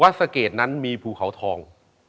๑วัดสเกรดนั้นมีภูเขาทอง